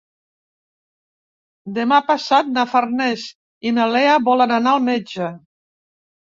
Demà passat na Farners i na Lea volen anar al metge.